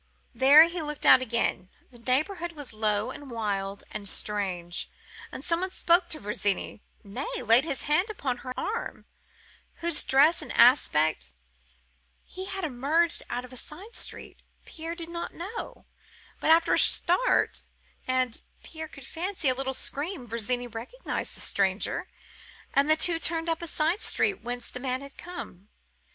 There he looked out again. The neighbourhood was low and wild, and strange; and some one spoke to Virginie,—nay, laid his hand upon her arm,—whose dress and aspect (he had emerged out of a side street) Pierre did not know; but, after a start, and (Pierre could fancy) a little scream, Virginie recognised the stranger, and the two turned up the side street whence the man had come.